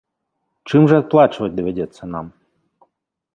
Чым жа адплачваць давядзецца нам?